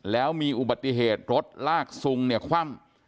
แล้วมีอุบัติเหตุรถลากซุงเนี่ยคว่ำ